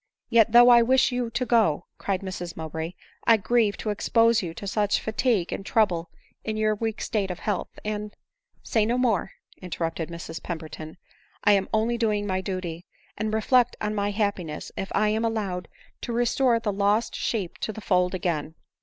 " Yet though I wish you to go," cried Mrs Mowbray, " I grieve unexpose you to such fatigue and trouble in your weak state of health, and "" Say no more ?" interrupted Mrs Pemberton, " I am only doing my duty ; and reflect on my happiness if I am allowed to restore the lost sheep to the fold again